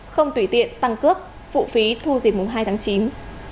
không tùy tiện tăng cước phụ phí thu dịp mùng hai tháng chín